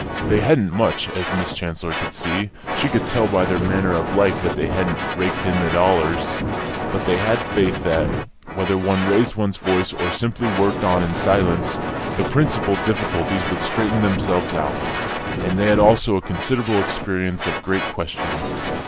They hadn't much, as Miss Chancellor could see; she could tell by their manner of life that they hadn't raked in the dollars; but they had faith that, whether one raised one's voice or simply worked on in silence, the principal difficulties would straighten themselves out; and they had also a considerable experience of great questions.